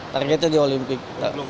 targetnya di olimpik